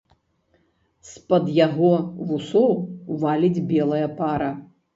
З-пад яго вусоў валіць белая пара.